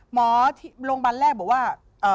หมอที่โรงพยาบาลแรกบอกว่า